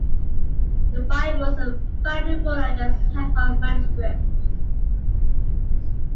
The Bible is finally more than just a handful of manuscripts.